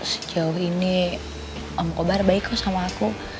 sejauh ini kamu kobar baik kok sama aku